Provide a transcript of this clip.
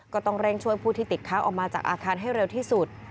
ก็ต้องเร่งช่วยผู้ที่ติดค้างออกมาจากอาคารให้เร็วที่สุด